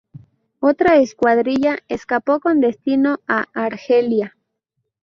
Otra escuadrilla escapó con destino a Argelia.